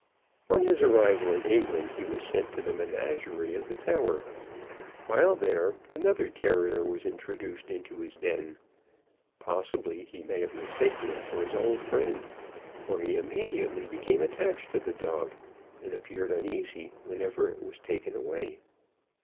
On his arrival in England, he was sent to the menagerie at the Tower. While there, another terrier was introduced into his den. Possibly he may have mistaken it for his old friend, for he immediately became attached to the dog, and appeared uneasy whenever it was taken away.